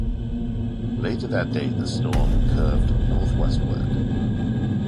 Later that day, the storm curved northwestward.